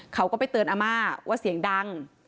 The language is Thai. เขาก็ไปเตือนอาม่าว่าเสียงดัง